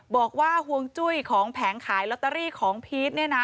บอกว่าห่วงจุ้ยของแผงขายลอตเตอรี่ของพีชเนี่ยนะ